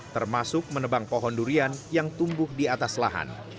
termasuk menebang pohon durian yang tumbuh di atas lahan